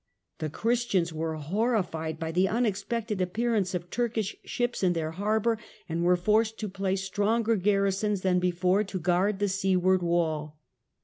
The Christians were horrified by the unex pected appearance of Turkish ships in their harbour and were forced to place stronger garrisons than before to guard the seaward wall.